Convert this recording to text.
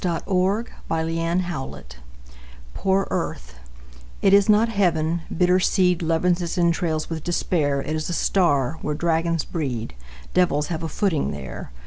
Elinor Wylie Poor Earth IT is not heaven: bitter seed Leavens its entrails with despair It is a star where dragons breed: Devils have a footing there.